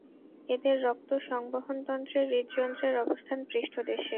এদের রক্ত সংবহনতন্ত্রে হৃদযন্ত্রের অবস্থান পৃষ্ঠদেশে।